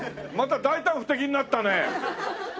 また大胆不敵になったね。